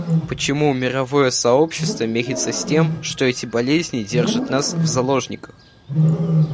Почему мировое сообщество мирится с тем, что эти болезни держат нас в заложниках?